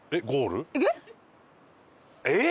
えっ？